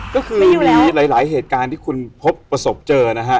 ก็คือมีหลายเหตุการณ์ที่คุณพบประสบเจอนะฮะ